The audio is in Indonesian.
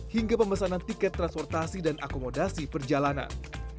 hingga pemesanan tiket transportasi dan akomodasi perjalanan